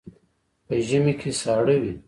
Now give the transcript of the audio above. په ژمي کې ساړه وي.